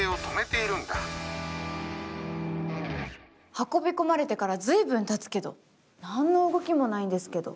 運び込まれてから随分たつけど何の動きもないんですけど。